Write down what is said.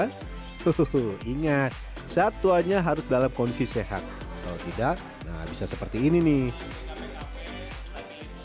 hahaha ingat satwanya harus dalam kondisi sehat kalau tidak nah bisa seperti ini nih